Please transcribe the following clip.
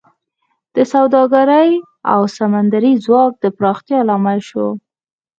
د سوداګرۍ او سمندري ځواک د پراختیا لامل شو